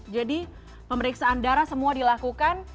jadi pemeriksaan darah semua dilakukan